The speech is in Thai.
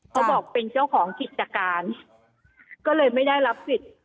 เขาบอกเป็นเจ้าของกิจการก็เลยไม่ได้รับสิทธิ์